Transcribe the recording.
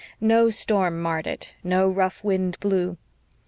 No storm marred it, no rough wind blew.